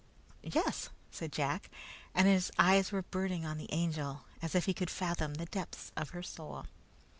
"Yes," said Jack, and his eyes were burning on the Angel as if he would fathom the depths of her soul.